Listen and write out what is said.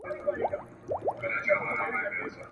چي کیسې مي د ګودر د پېغلو راوړي ..